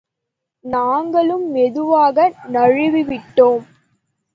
நாங்களும் மெதுவாக நழுவிவிட்டோம்.